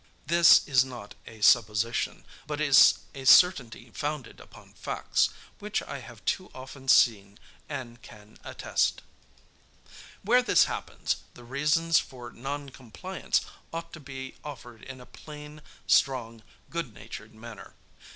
This is not a supposition, but is a certainty founded upon facts, which I have too often seen and can attest. Where this happens, the reasons for non compliance ought to be offered in a plain, strong, good natured manner.